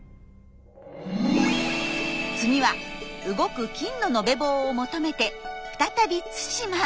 次は「動く金の延べ棒」を求めて再び対馬。